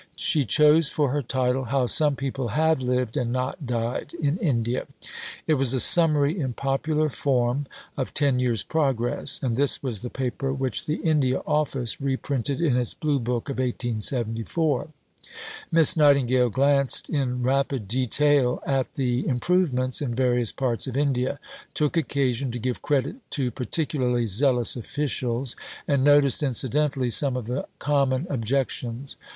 She chose for her title "How some People have Lived, and Not Died in India." It was a summary in popular form of ten years' progress, and this was the Paper which the India Office reprinted in its Blue book of 1874. Miss Nightingale glanced in rapid detail at the improvements in various parts of India; took occasion to give credit to particularly zealous officials; and noticed incidentally some of the common objections.